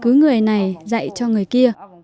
cứ người này dạy cho người kia